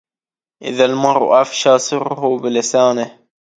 إذا المرء أفشى سره بلسانه